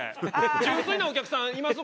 純粋なお客さんいます？